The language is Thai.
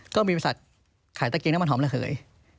ก็บิพฤษัทขายตะเกงน้ำมันหอมระเฮอย